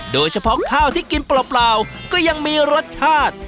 โดยเฉพาะข้าวที่กินเปล่าก็ยังมีรสชาติ